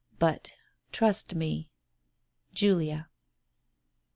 But trust me. Julia."